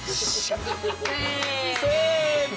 せの！